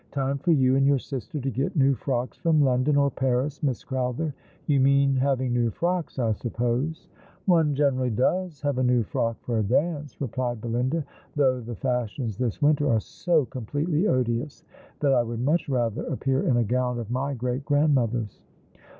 Time for you and your sister to get new frocks from London or Paris, Lliss Crowther. You mean having new frocks, I suppose ?'*" One generally does have a new frock for a dance," replied Belinda, " though the fashions this winter are so completely odious that I would much rather appear in a gown of my great grandmother's."